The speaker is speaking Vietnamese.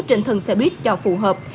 trên thân xe buýt cho phù hợp